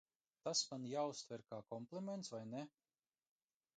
Tas man jāuztver kā kompliments, vai ne?